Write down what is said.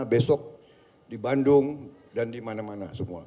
besok di bandung dan di mana mana semua